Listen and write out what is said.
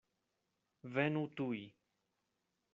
Venu tuj.